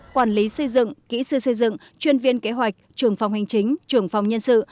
quản lý xây dựng kỹ sư xây dựng chuyên viên kế hoạch trưởng phòng hành chính trưởng phòng nhân sự